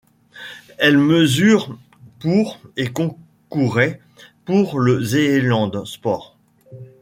Elle mesure pour et concourait pour le Zeeland Sport.